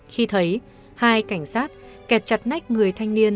khi thấy hai cảnh sát kẹt chặt nách người thanh niên